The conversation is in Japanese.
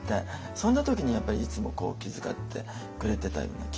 そんな時にやっぱりいつもこう気遣ってくれてたような気がしますね。